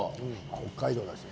北海道だしね。